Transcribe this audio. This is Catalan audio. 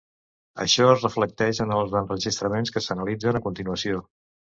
Això es reflecteix en els enregistraments que s'analitzen a continuació.